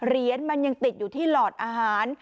เหรียญมันยังติดอยู่ที่หลอดอาหาร